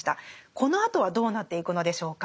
このあとはどうなっていくのでしょうか。